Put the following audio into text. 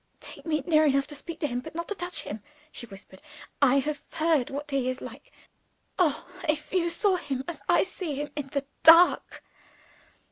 "Take me near enough to speak to him, but not to touch him," she whispered. "I have heard what he is like. (Oh, if you saw him, as I see him, _in the dark!